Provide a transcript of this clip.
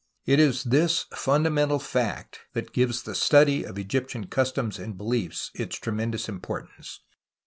It is this fundamental fact that gives the study of Egyptian customs and beliefs its tre mendous imjDortance.